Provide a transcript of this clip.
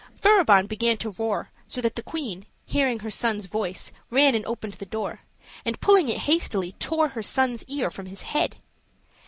Furibon began to roar, so that the queen, hearing her son's voice, ran and opened the door, and, pulling it hastily, tore her son's ear from his head.